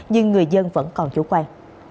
nhưng người dân vẫn còn chủ quan